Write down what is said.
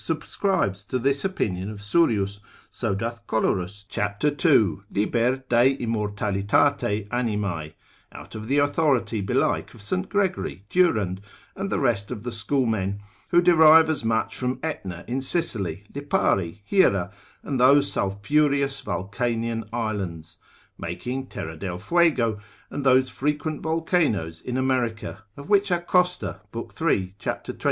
subscribes to this opinion of Surius, so doth Colerus cap. 12. lib. de immortal animae (out of the authority belike of St. Gregory, Durand, and the rest of the schoolmen, who derive as much from Aetna in Sicily, Lipari, Hiera, and those sulphureous vulcanian islands) making Terra del Fuego, and those frequent volcanoes in America, of which Acosta lib. 3. cap. 24.